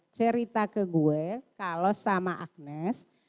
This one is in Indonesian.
cerita ke gue kalau sama agnes